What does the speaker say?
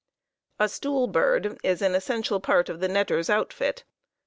A stool bird is an essential part of the netter's outfit.